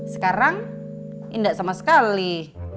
sekarang indah sama sekali